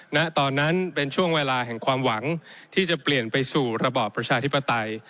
ณตอนนั้นเป็นช่วงเวลาแห่งความหวังที่จะเปลี่ยนไปสู่ระบอบประชาธิปไตย